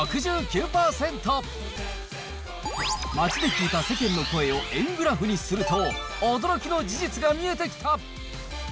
街で聞いた世間の声を円グラフにすると、驚きの事実が見えてきた。